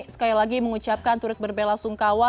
sekali lagi mengucapkan turut berbela sungkawa